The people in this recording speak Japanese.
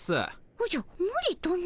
おじゃむりとな？